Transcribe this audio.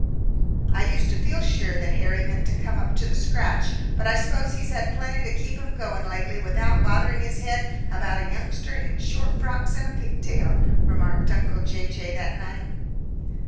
"I used to feel sure that Harry meant to come up to the scratch, but I suppose he's had plenty to keep him going lately without bothering his head about a youngster in short frocks and a pigtail," remarked uncle Jay Jay that night.